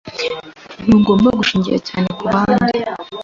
Ntugomba gushingira cyane kubandi.